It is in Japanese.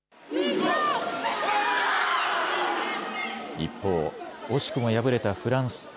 一方、惜しくも敗れたフランス。